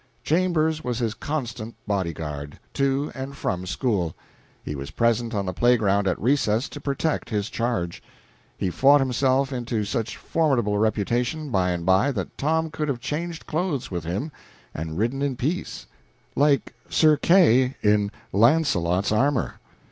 Chambers was his constant body guard, to and from school; he was present on the playground at recess to protect his charge. He fought himself into such a formidable reputation, by and by, that Tom could have changed clothes with him, and "ridden in peace," like Sir Kay in Launcelot's armor.